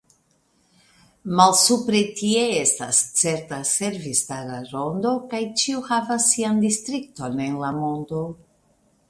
Malsupre tie estas certa servistara rondo, kaj ĉiu havas sian distrikton en la mondo.